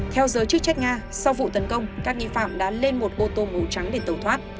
theo giới chức trách nga sau vụ tấn công các nghi phạm đã lên một ô tô ngủ trắng để tẩu thoát